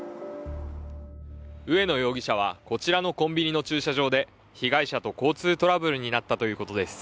上野容疑者はこちらのコンビニの駐車場で被害者と交通トラブルになったということです。